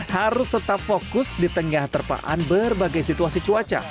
harus tetap fokus di tengah terpaan berbagai situasi cuaca